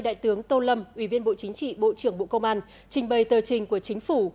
đại tướng tô lâm ủy viên bộ chính trị bộ trưởng bộ công an trình bày tờ trình của chính phủ